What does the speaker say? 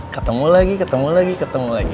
ketemu lagi ketemu lagi ketemu lagi